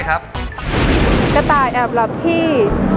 กระต่ายแอบหลับที่